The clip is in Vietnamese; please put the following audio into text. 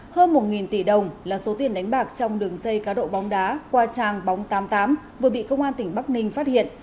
hơn một tỷ đồng là số tiền đánh bạc trong đường dây cá độ bóng đá qua trang bóng tám mươi tám vừa bị công an tỉnh bắc ninh phát hiện